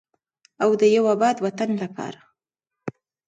او د یو اباد وطن لپاره.